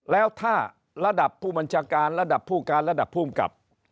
แล้วถ้าระดับผู้บัญชาการระดับผู้การระดับภูมิกับ